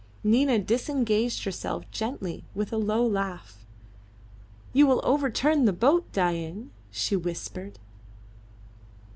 Nina disengaged herself gently with a low laugh. "You will overturn the boat, Dain," she whispered.